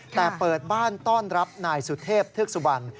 แต่เปิดบ้านต้อนรับนายสุเทพเทือกสุบัน